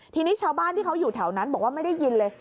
ทีนี้ชาวบ้านที่เขาอยู่แถวนั้นบอกว่าไม่ได้ยินเลย